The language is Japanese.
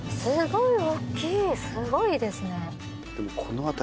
すごいですね。